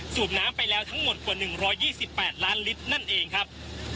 สูบน้ำไปแล้วทั้งหมดกว่า๑๒๘ล้านลิตรนั่นเองครับ